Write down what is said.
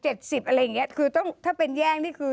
อะไรอย่างเงี้ยคือต้องถ้าเป็นแย่งนี่คือ